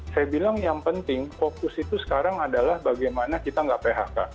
saya bilang yang penting fokus itu sekarang adalah bagaimana kita nggak phk